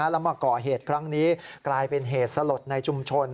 แล้วมาก่อเหตุครั้งนี้กลายเป็นเหตุสลดในชุมชน